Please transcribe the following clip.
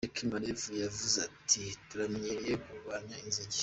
Chekmarev yavuze ati "Turamenyereye kugwanya inzige.